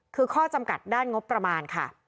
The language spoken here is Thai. คือข้อจำกัดด้านงบประมาณค่ะ